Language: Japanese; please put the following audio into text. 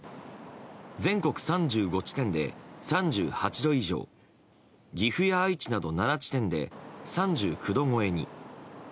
全国３５地点で３８度以上岐阜や愛知など７地点で３９度超えに。